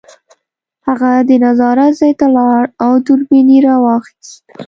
هغه د نظارت ځای ته لاړ او دوربین یې راواخیست